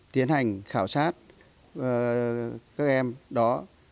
tiến hành khảo sát các em đó